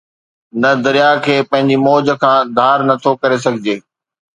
ته درياهه کي پنهنجي موج کان ڌار نٿو ڪري سگهجي